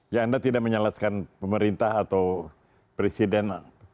ya anda tidak menyalaskan pemerintah atau presiden